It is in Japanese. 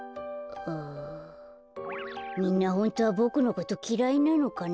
みんなホントはボクのこときらいなのかな。